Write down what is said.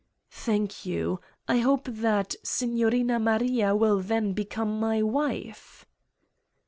"Thank you. I hope that Signorina Maria will then become my wife?"